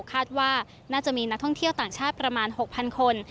คาดว่าน่าจะมีนักท่องเที่ยวต่างชาติประมาณ๖๐๐คน